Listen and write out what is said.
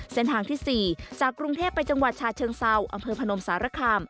เส้นทางที่๔จากกรุงเทพไปจังหวัดชาเชิงเซาอำเภอพนมสารคาม